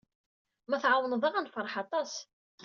Ma tɛawneḍ-aɣ, ad nefṛeḥ aṭas.